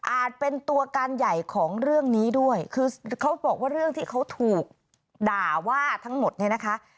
เป็นตัวการใหญ่ของเรื่องนี้ด้วยคือเขาบอกว่าเรื่องที่เขาถูกด่าว่าทั้งหมดเนี่ยนะคะ